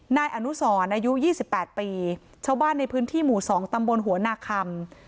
นายอนุสรนายูยี่สิบแปดปีเช้าบ้านในพื้นที่หมู่สองตำบลหัวนาคำ